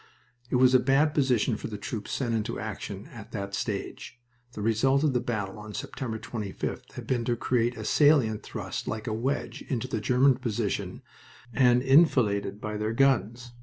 It was a bad position for the troops sent into action at that stage. The result of the battle on September 25th had been to create a salient thrust like a wedge into the German position and enfiladed by their guns.